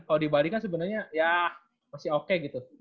kalau di bali kan sebenernya yah masih oke gitu